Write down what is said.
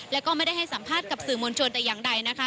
แล้วก็ไม่ได้ให้สัมภาษณ์กับสื่อมวลชนแต่อย่างใดนะคะ